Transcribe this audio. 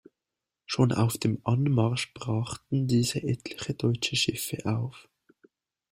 Schon auf dem Anmarsch brachten diese etliche deutsche Schiffe auf.